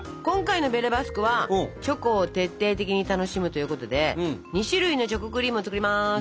今回のベレ・バスクは「チョコを徹底的に楽しむ」ということで２種類のチョコクリームを作ります。